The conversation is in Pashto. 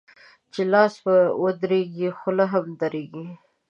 چي لاس و درېږي ، خوله هم درېږي.